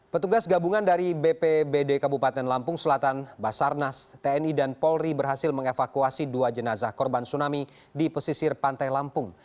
petugas gabungan dari bpbd kabupaten lampung selatan basarnas tni dan polri berhasil mengevakuasi dua jenazah korban tsunami di pesisir pantai lampung